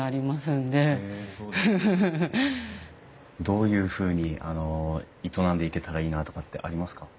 どういうふうに営んでいけたらいいなとかってありますか？